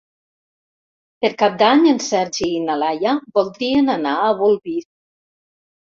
Per Cap d'Any en Sergi i na Laia voldrien anar a Bolvir.